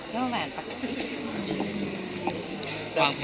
แป๊บหมาวแปบหมาว